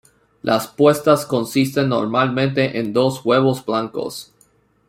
Las puestas consisten normalmente en dos huevos blancos.